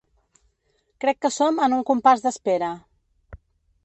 Crec que som en un compàs d’espera.